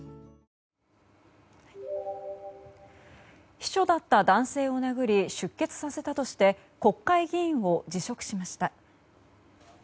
秘書だった男性を殴り出血させたとして国会議員を辞職しました。